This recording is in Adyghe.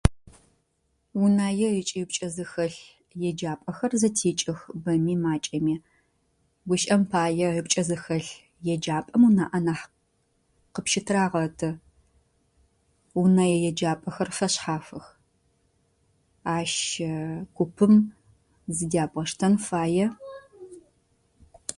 Унае ыкӏи ыпкӏэ зыхэлъ еджапэхэр зэтекӏых бэми макӏэми. Гущыӏэм пае ыпкӏэ зыхэлъ еджапэм унаӏэ нахь къыщыптрагъэты. Унэе еджапэхэр фэшъхьафых. Ащ купым зыдябгъэштэн фае.